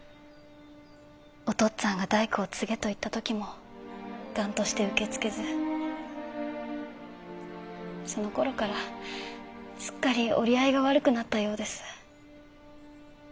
お父っつぁんが大工を継げと言った時も頑として受け付けずそのころからすっかり折り合いが悪くなったようです。